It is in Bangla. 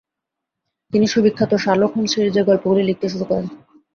তিনি সুবিখ্যাত শার্লক হোম্স সিরিজের গল্পগুলি লিখতে শুরু করেন।